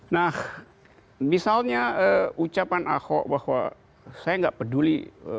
nah misalnya ucapan ahok bahwa saya nggak peduli